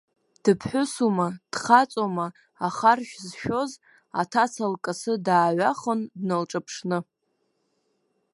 Дыԥҳәысума, дхаҵоума, ахаршә зшәоз, аҭаца лкасы дааҩахон, дналҿаԥшны.